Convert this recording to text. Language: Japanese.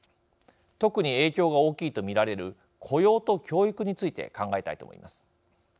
特に影響が大きいと見られる雇用と教育について考えたいと思います。